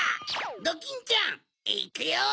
ドキンちゃんいくよ！